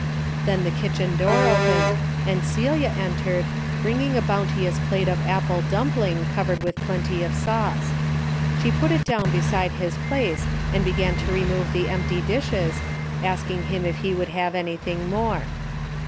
Then the kitchen door opened, and Celia entered bringing a boun teous plate of apple dumpling covered with plenty of sauce. She put it down beside his place and began to remove the empty dishes, asking him if he would have anything more.